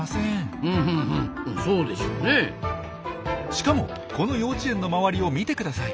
しかもこの幼稚園の周りを見てください。